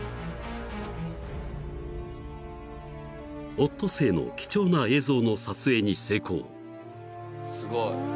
［オットセイの貴重な映像の撮影に成功］